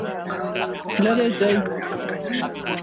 لیرې ځئ